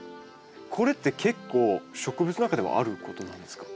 これって結構植物の中ではあることなんですか？